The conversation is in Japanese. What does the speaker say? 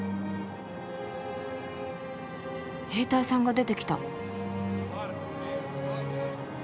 兵隊さんが出てきた。